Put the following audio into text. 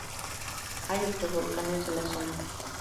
Hay otros volcanes de la zona.